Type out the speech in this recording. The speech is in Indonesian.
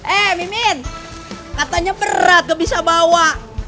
eh mimin katanya berat gak bisa bawa